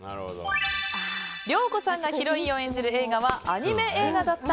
リョウコさんがヒロインを演じる映画はアニメ映画だった。